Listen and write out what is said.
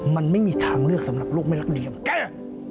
มันไม่มีทางเลือกสำหรับลูกไม่รักเดียวแก